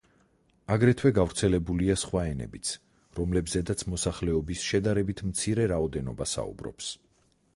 აგრეთვე გავრცელებულია სხვა ენებიც, რომლებზედაც მოსახლეობის შედარებით მცირე რაოდენობა საუბრობს.